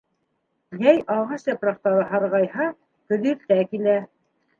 Йәй ағас япраҡтары һарғайһа, көҙ иртә килә.